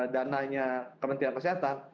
dananya kementerian kesehatan